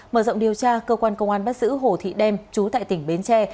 mở rộng điều tra cơ quan công an bắt giữ hồ thị đem chú tại tỉnh bến tre